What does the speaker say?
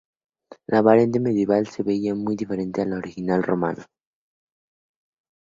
La variante medieval se veía muy diferente de la original romana.